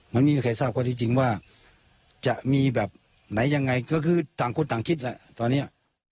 มันไม่มีใครทราบข้อที่จริงว่าจะมีแบบไหนยังไงก็คือต่างคนต่างคิดแหละตอนนี้